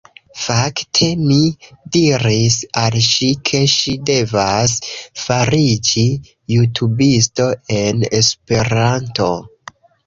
Fakte, mi diris al ŝi, ke ŝi devas fariĝi jutubisto en Esperanto